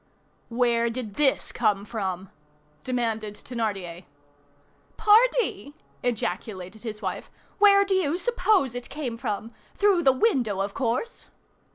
"Where did this come from?" demanded Thénardier. "Pardie!" ejaculated his wife, "where do you suppose it came from? Through the window, of course."